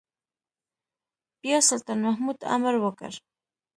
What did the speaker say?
بيا سلطان محمود امر وکړ.